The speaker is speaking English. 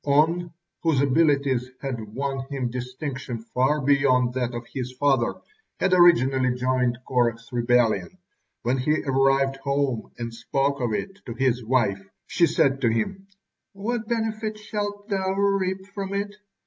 On, whose abilities had won him distinction far beyond that of his father, had originally joined Korah's rebellion. When he arrived home and spoke of it to his wife, she said to him: "What benefit shalt thou reap from it?